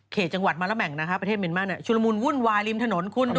เขตจังหวัดมรรมังประเทศมีนมากชุลมูลวุ่นวายริมถนน